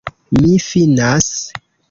Mi finas.